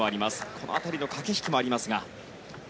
この辺りの駆け引きもありますが。